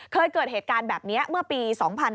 เคยเกิดเหตุการณ์แบบนี้เมื่อปี๒๕๕๙